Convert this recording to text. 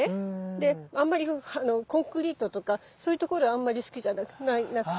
であんまりコンクリートとかそういう所はあんまり好きじゃなくって。